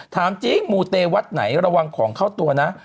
ถามจริงมูเตวัดไหนระวังของเข้าตัวนะ